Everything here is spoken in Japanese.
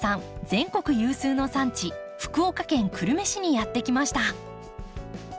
全国有数の産地福岡県久留米市にやって来ました。